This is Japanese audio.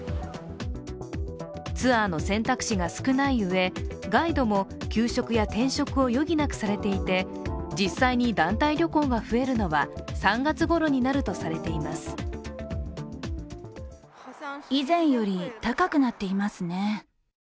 ツアーの選択肢が少ないうえガイドも休職や転職を余儀なくされていて実際に団体旅行が増えるのは３月ごろになるとされています。